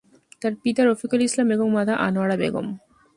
তার পিতা রফিকুল ইসলাম এবং মাতা আনোয়ারা বেগম।